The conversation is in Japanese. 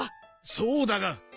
そうだが。